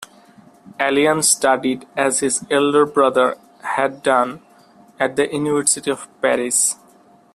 Alain studied, as his elder brother had done, at the University of Paris.